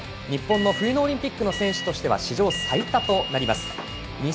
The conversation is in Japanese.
日本の冬のオリンピックの選手としては史上最多となります。